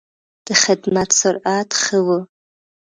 د خدمت سرعت ښه و.